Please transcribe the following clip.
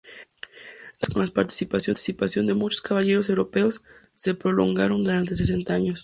Las cruzadas, con la participación de muchos caballeros europeos, se prolongaron durante sesenta años.